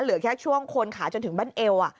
เหลือแค่ช่วงโคนขาจนถึงบั้นเอว